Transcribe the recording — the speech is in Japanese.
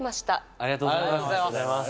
ありがとうございます。